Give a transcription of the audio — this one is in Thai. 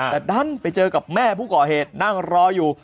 แต่ดันไปเจอกับแม่ผู้ก่อเหตุนั่งรออยู่